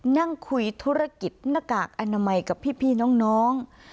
นั่งคุยธุรกิจหน้ากากอนามัยกับพี่น้อง